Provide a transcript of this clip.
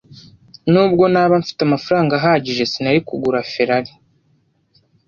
Nubwo naba mfite amafaranga ahagije, sinari kugura Ferrari.